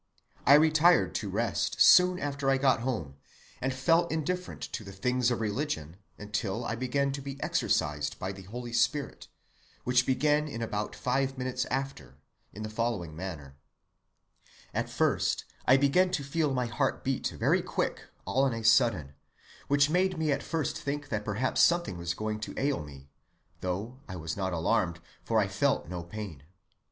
I retired to rest soon after I got home, and felt indifferent to the things of religion until I began to be exercised by the Holy Spirit, which began in about five minutes after, in the following manner:— "At first, I began to feel my heart beat very quick all on a sudden, which made me at first think that perhaps something is going to ail me, though I was not alarmed, for I felt no pain.